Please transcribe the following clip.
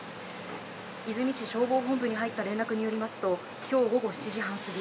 和泉市消防本部に入った連絡によりますと今日午後７時半過ぎ